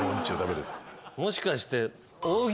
もしかして。